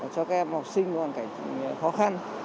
cho các em học sinh trong cảnh khó khăn